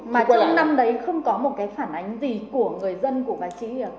mà trong năm đấy không có một cái phản ánh gì của người dân của bà chí hiệp